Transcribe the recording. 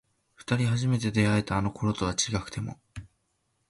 二人初めて出会えたあの頃とは違くても